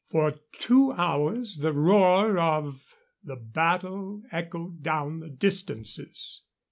For two hours the roar of the battle echoed down the distances.